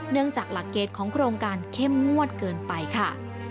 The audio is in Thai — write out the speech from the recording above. เนื่องจากหลักเกตของโครงการเข้มงวดเกินไปค่ะ